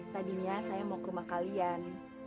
tadinya saya mau ke rumah kalian